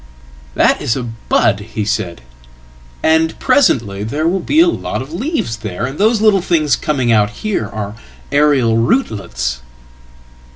"That is a bud," he said, "and presently there will be a lot of leavesthere, and those little things coming out here are aerial rootlets.""